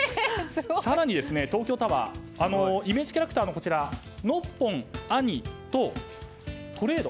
更に、東京タワーイメージキャラクターのノッポン兄とトレード。